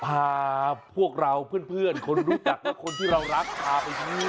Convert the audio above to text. พาพวกเราเพื่อนคนรู้จักและคนที่เรารักพาไปที่นี่